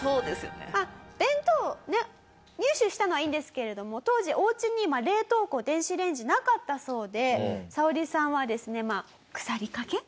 まあ弁当をね入手したのはいいんですけれども当時おうちに冷凍庫電子レンジなかったそうでサオリさんはですねまあ腐りかけ？